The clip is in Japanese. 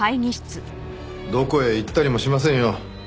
どこへ行ったりもしませんよ。